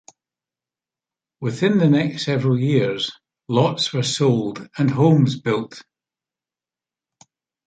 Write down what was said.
Within the next several years, lots were sold and homes built.